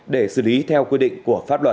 để xử lý theo quy định của pháp luật